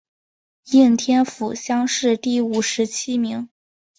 应天府乡试第五十七名。